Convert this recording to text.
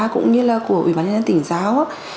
cũng như là của bảo hiểm xã hội tỉnh giáo